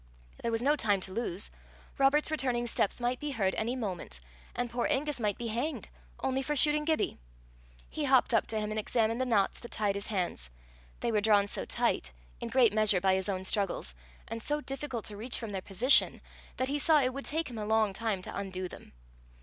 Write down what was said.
There was no time to lose. Robert's returning steps might be heard any moment, and poor Angus might be hanged only for shooting Gibbie! He hopped up to him and examined the knots that tied his hands: they were drawn so tight in great measure by his own struggles and so difficult to reach from their position, that he saw it would take him a long time to undo them.